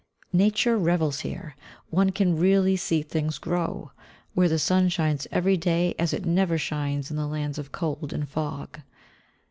Nature revels here; one can really see things grow, where the sun shines every day as it never shines in lands of cold and fog.